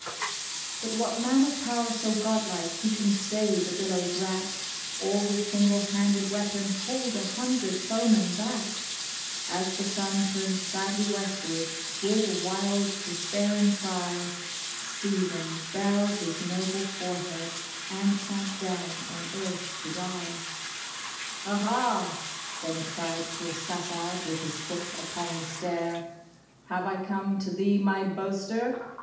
But what man of power so godlike he can stay the billow's wrack, Or with single handed weapon hold an hundred foe men back ? As the sun turned sadly westward, with a wild de spairing cry, Stephen bowed his noble forehead and sank down on earth to die. 6 THE DEFENCE OF THE BRIDE, " Ah ha !" then cried cruel" Sassard, with his foot upon the stair, " Have I come to thee, my boaster